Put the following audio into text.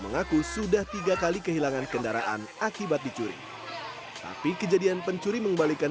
mengaku sudah tiga kali kehilangan kendaraan akibat dicuri tapi kejadian pencuri mengembalikan